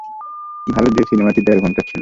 ভালো যে সিনেমাটি দের ঘন্টার ছিল।